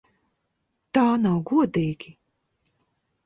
Tā nav godīgi!